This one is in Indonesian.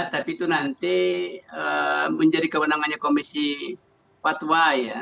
tapi itu nanti menjadi kewenangannya komisi fatwa ya